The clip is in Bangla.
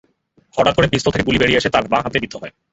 হঠাৎ করে পিস্তল থেকে গুলি বেরিয়ে এসে তাঁর বাঁ হাতে বিদ্ধ হয়।